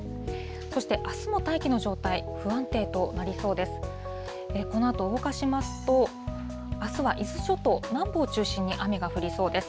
そして、あすも大気の状態、不安定となりそうです。